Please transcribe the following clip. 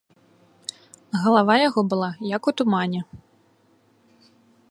Галава яго была, як у тумане.